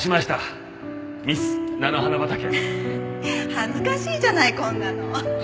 恥ずかしいじゃないこんなの。